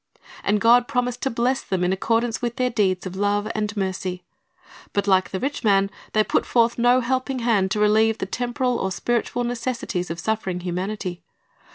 And God promised to bless them in accordance with their deeds of love and mercy. But like the rich man, they put forth no helping hand to relieve the temporal or spiritual necessities of suffering humanity.